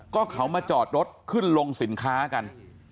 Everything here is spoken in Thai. ก็เขามาจอดรถขึ้นลงสินค้ากัน